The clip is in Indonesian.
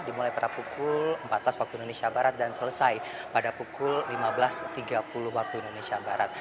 dimulai pada pukul empat belas waktu indonesia barat dan selesai pada pukul lima belas tiga puluh waktu indonesia barat